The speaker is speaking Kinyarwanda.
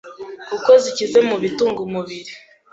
kuko zikize ku bitunga umubiri,